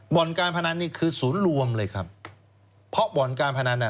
การพนันนี่คือศูนย์รวมเลยครับเพราะบ่อนการพนันอ่ะ